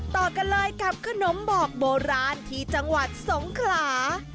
ต่อกันเลยกับขนมบอกโบราณที่จังหวัดสงขลา